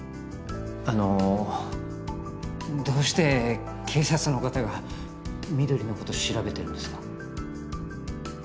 あのどうして警察の方が翠のこと調べてるんですか？